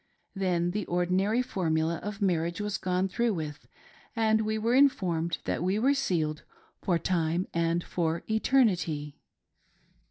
Then the ordinary formula of marriage was gone through with, and we were informed that we were sealed for time and for eternity.